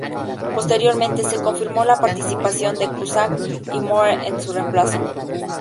Posteriormente se confirmó la participación de Cusack y Moore en su reemplazo.